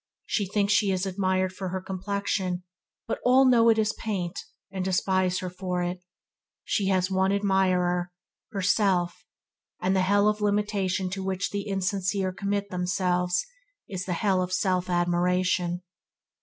She thinks she is admired for her complexion, but all know it is paint, and despise her for it. she has one admirer – herself, and the hell of limitation to which all the insincere commit themselves is the hell of self admiration.